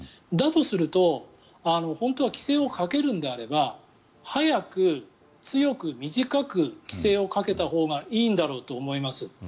だとすると本当は規制をかけるのであれば早く強く短く規制をかけたほうがいいんだろうと思います。